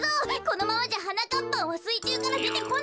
このままじゃはなかっぱんはすいちゅうからでてこないわよ。